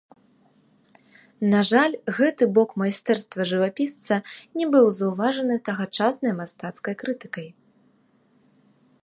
На жаль, гэты бок майстэрства жывапісца не быў заўважаны тагачаснай мастацкай крытыкай.